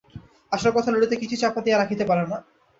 আসল কথা, ললিতা কিছুই চাপা দিয়া রাখিতে পারে না।